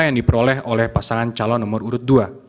yang diperoleh oleh pasangan calon nomor urut dua